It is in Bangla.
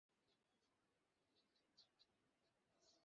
দেশীয় ছবিগুলো সিনেমা হলে দর্শকের যথাযথ চাহিদা পুরোপুরি পূরণ করতে পারে না।